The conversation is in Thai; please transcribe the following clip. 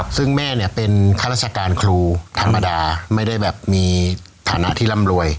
ซึ่งแม่เนี่ยเป็นข้าราชการครูธรรมดาไม่ได้แบบมีฐานะที่ร่ำรวย